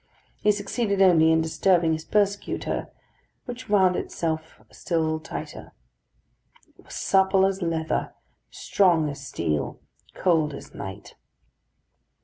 He succeeded only in disturbing his persecutor, which wound itself still tighter. It was supple as leather, strong as steel, cold as night.